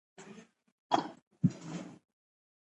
تالابونه د افغانستان د جغرافیایي موقیعت پایله ده.